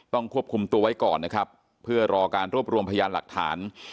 ควบคุมตัวไว้ก่อนนะครับเพื่อรอการรวบรวมพยานหลักฐาน